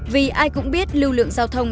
vì ai cũng biết lưu lượng giao thông